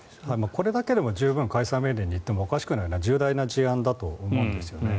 これだけでも十分解散命令に行ってもおかしくない重大な事案だと思うんですよね。